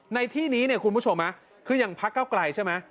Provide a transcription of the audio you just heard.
ในที่นี้เนี่ยคุณผู้ชมคืออย่างพักเก้าไกลใช่ไหม